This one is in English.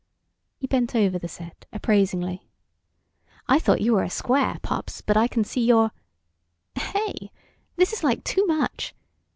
He bent over the set, appraisingly. "I thought you were a square, Pops, but I can see you're.... Hey, this is like too much.